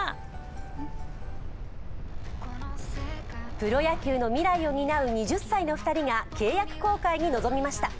プロ野球の未来を担う、２０歳の２人が契約更改に臨みました。